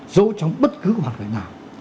dẫu chống bất cứ hoạt động nào